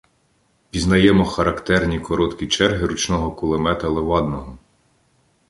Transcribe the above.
Пізнаємо характерні короткі черги ручного кулемета Левадного.